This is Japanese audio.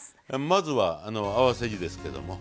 まずは合わせ地ですけども。